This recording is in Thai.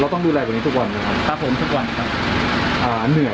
แล้วต้องดูแลวันนี้แบบนี้ทุกวันหรือ